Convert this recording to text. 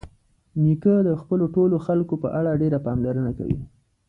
نیکه د خپلو ټولو خلکو په اړه ډېره پاملرنه کوي.